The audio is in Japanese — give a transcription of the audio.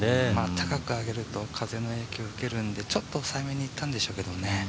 高く上げると風の影響を受けるので、ちょっと抑えめにいったんでしょうけどね。